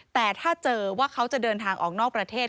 แต่ถ้าเจอว่าเขาจะเดินทางออกนอกประเทศ